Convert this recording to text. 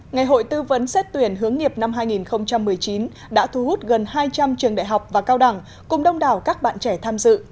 ngày hội tư vấn xét tuyển hướng nghiệp năm hai nghìn một mươi chín đã thu hút gần hai trăm linh trường đại học và cao đẳng cùng đông đảo các bạn trẻ tham dự